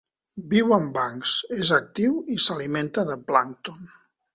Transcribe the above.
Viu en bancs, és actiu i s'alimenta de plàncton.